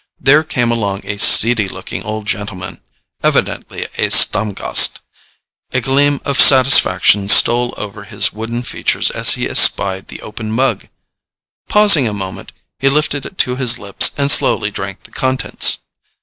There came along a seedy looking old gentleman, evidently a Stammgast. A gleam of satisfaction stole over his wooden features as he espied the open mug. Pausing a moment, he lifted it to his lips and slowly drank the contents.